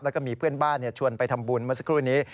แล้วก็มีเพื่อนบ้านชวนไปทำบุญเมื่อสักครู่นี้